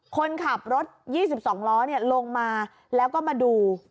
คนขับรถยี่สิบสองล้อเนี่ยลงมาแล้วก็มาดู